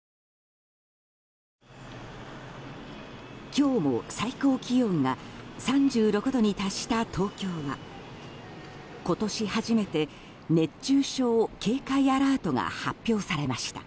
今日も最高気温が３６度に達した東京は今年初めて熱中症警戒アラートが発表されました。